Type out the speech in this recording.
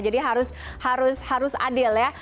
jadi harus adil ya